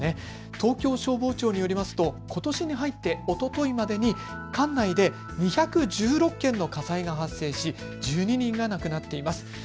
東京消防庁によりますとことしに入っておとといまでに管内で２１６件の火災が発生し１２人が亡くなっています。